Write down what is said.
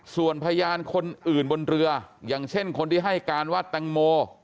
ส่วนพยานคนอื่นบนเรืออย่างเช่นคนที่ให้การว่าแตงโม